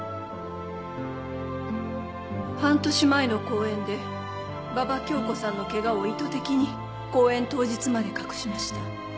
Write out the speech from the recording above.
半年前の公演で馬場恭子さんのケガを意図的に公演当日まで隠しました。